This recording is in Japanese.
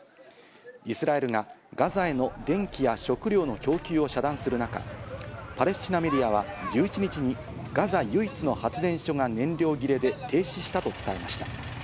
イスラエルがガザへの電気や食料の供給を遮断する中、パレスチナメディアは１１日にガザ唯一の発電所が燃料切れで停止したと伝えました。